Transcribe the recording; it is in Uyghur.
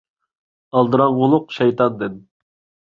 ئالدىراڭغۇلۇق شەيتاندىن.